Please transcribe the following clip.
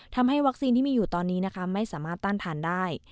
ทำให้วัคซีนที่มีอยู่ตอนนี้นะคะไม่สามารถต้านทานได้